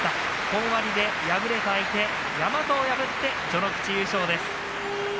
本割で敗れた相手、山藤を破って序ノ口優勝です。